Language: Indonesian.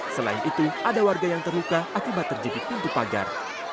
selain itu ada warga yang terluka akibat terjepit pintu pagar